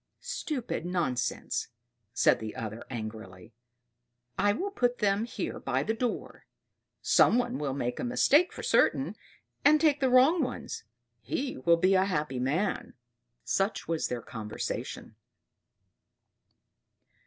"Stupid nonsense!" said the other angrily. "I will put them here by the door. Some one will make a mistake for certain and take the wrong ones he will be a happy man." Such was their conversation.